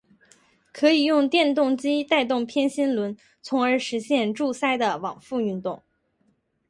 可以用电动机带动偏心轮从而实现柱塞的往复运动。